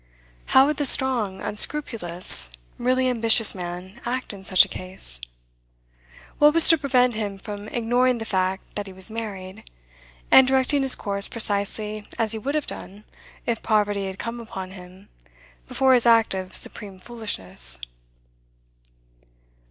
How would the strong, unscrupulous, really ambitious man act in such a case? What was to prevent him from ignoring the fact that he was married, and directing his course precisely as he would have done if poverty had come upon him before his act of supreme foolishness?